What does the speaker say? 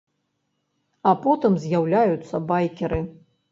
А потым з'яўляюцца байкеры.